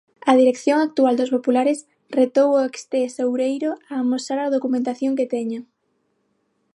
A dirección actual dos populares retou o extesoureiro a amosar a documentación que teña.